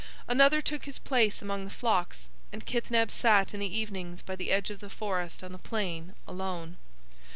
"Another took his place among the flocks, and Kithneb sat in the evenings by the edge of the forest on the plain, alone.